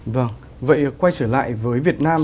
vậy quay trở lại với việt nam